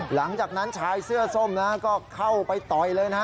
หลังจากนั้นชายเสื้อส้มนะก็เข้าไปต่อยเลยนะฮะ